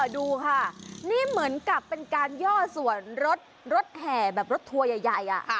ดูค่ะนี่เหมือนกับเป็นการย่อส่วนรถแห่แบบรถทัวร์ใหญ่